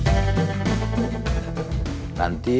kepuasan pelanggan adalah tujuan kami